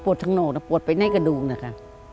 ปวดทั้งโนกแล้วปวดไปแน่กระดูกนะค่ะ